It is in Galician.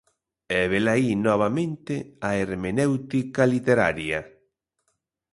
E velaí, novamente, a hermenéutica literaria.